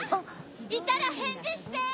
いたら返事して！